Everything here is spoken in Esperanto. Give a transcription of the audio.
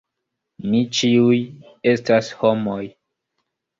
Ni ĉiuj estas homoj.